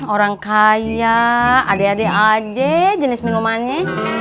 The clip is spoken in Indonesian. orang kaya ade ade ade jenis minumannya